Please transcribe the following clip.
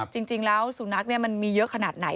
จริงแล้วสุนัขมันมีเยอะขนาดไหน